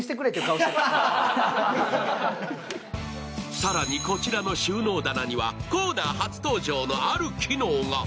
更に、こちらの収納棚にはコーナー初登場のある機能が。